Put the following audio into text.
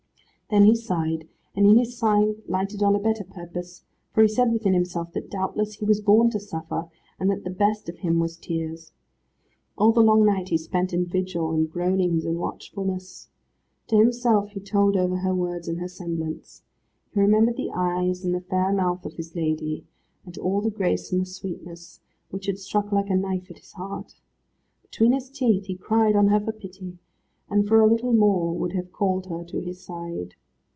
Then he sighed, and in his sighing lighted on a better purpose; for he said within himself that doubtless he was born to suffer, and that the best of him was tears. All the long night he spent in vigil and groanings and watchfulness. To himself he told over her words and her semblance. He remembered the eyes and the fair mouth of his lady, and all the grace and the sweetness, which had struck like a knife at his heart. Between his teeth he cried on her for pity, and for a little more would have called her to his side.